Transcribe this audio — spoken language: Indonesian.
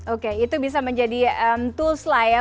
oke itu bisa menjadi tools lah ya